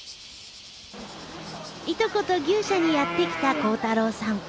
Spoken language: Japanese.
いとこと牛舎にやってきた煌太郎さん。